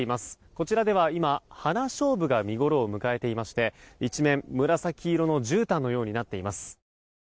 こちらでは今、ハナショウブが見ごろを迎えていまして一面、紫色のじゅうたんのようになっています。